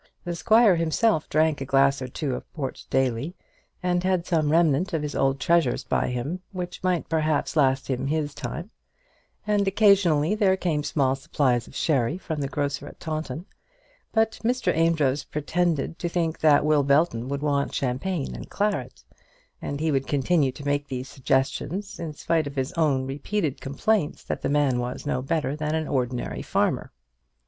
The squire himself drank a glass or two of port daily, and had some remnant of his old treasures by him, which might perhaps last him his time; and occasionally there came small supplies of sherry from the grocer at Taunton; but Mr. Amedroz pretended to think that Will Belton would want champagne and claret; and he would continue to make these suggestions in spite of his own repeated complaints that the man was no better than an ordinary farmer.